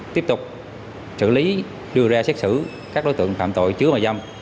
tiếp tục xử lý đưa ra xét xử các đối tượng phạm tội chứa mại dâm